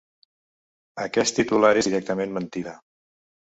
Aquest titular és directament mentida.